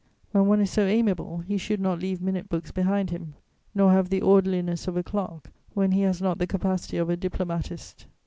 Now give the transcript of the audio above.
When one is so amiable, he should not leave minute books behind him, nor have the orderliness of a clerk when he has not the capacity of a diplomatist.